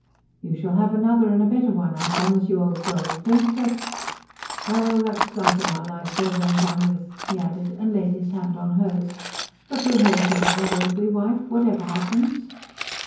"You shall have another and a better one, I promise you, old girl don't fret. Well, that slice of our life's over and done with," he added, and laid his hand on hers. "But we'll hold together, won't we, wife, whatever happens?"